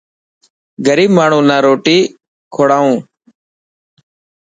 غريب ماڻهون نا روٽي کوڙائون.